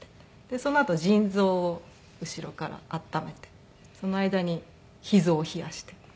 そのあと腎臓を後ろから温めてその間に脾臓を冷やしてとかって。